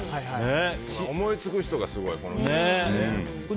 思いつく人がすごい。